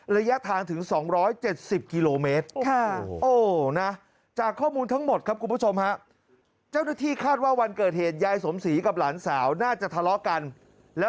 ระยะทางถึง๒๗๐กิโลเมตรโอ้โฮนะ